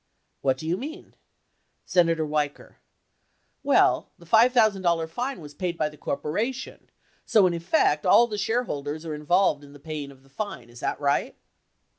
What do you mean ? Senator Weicker. Well, the $5,000 fine was paid by the cor poration, so in effect, all the shareholders are involved in paying the fine, is that right